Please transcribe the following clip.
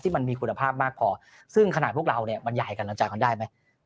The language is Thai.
ที่มันมีคุณภาพมากพอซึ่งขนาดพวกเรามันใหญ่กันแล้วจากกันได้ไหม